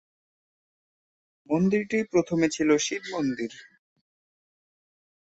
মন্দিরটি প্রথমে ছিল শিব মন্দির।